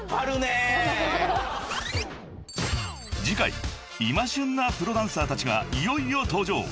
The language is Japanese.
［次回今旬なプロダンサーたちがいよいよ登場］